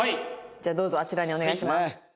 じゃあどうぞあちらにお願いします。